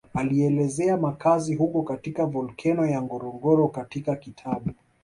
Alielezea makazi huko katika volkeno ya Ngorongoro katika kitabu